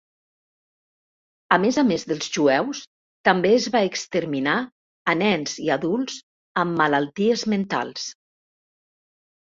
A més a més dels jueus, també es va exterminar a nens i adults amb malalties mentals.